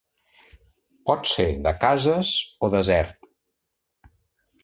Pot ser de cases o desert.